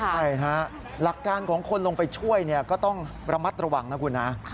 ใช่ฮะหลักการของคนลงไปช่วยก็ต้องระมัดระวังนะคุณนะ